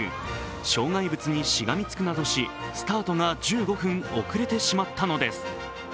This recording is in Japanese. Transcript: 障害物にしがみつくなどし、スタートが１５分遅れてしまったのです。